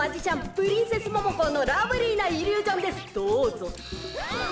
プリンセスモモコーのラブリーなイリュージョンですどうぞ。